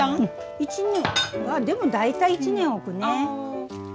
１年でも大体１年置くね。